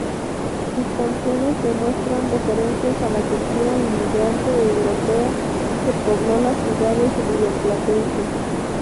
Sus canciones demuestran referencias a la cultura inmigrante europea que pobló las ciudades rioplatenses.